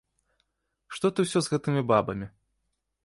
Што ты ўсё з гэтымі бабамі?